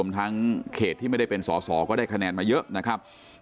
ทั้งเขตที่ไม่ได้เป็นสอสอก็ได้คะแนนมาเยอะนะครับ